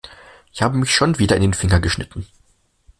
Ich habe mich schon wieder in den Finger geschnitten.